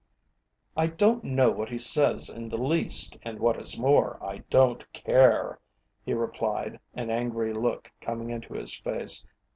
"I don't know what he says in the least, and what is more I don't care," he replied, an angry look coming into his face.